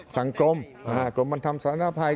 สั่งกลมกลุ่มบันทัมษ์ศาลนภัย